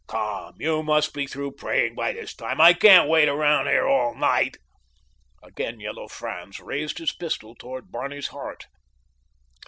Come, you must be through praying by this time. I can't wait around here all night." Again Yellow Franz raised his pistol toward Barney's heart.